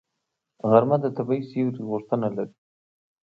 غرمه د طبیعي سیوري غوښتنه لري